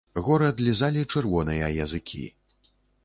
Горад лізалі чырвоныя языкі.